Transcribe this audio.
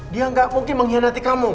dia gak mungkin mengkhianati kamu